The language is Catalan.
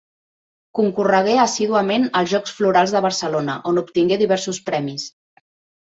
Concorregué assíduament als Jocs Florals de Barcelona, on obtingué diversos premis.